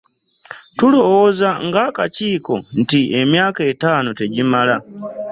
Tulowooza ng'akakiiko nti emyaka etaano tegimala